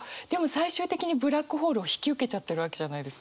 最終的にブラックホールを引き受けちゃってるわけじゃないですか。